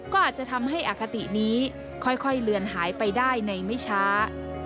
ก็อาจจะทำให้อคตินี้ค่อยเลือนหายไปได้ในไม่ช้า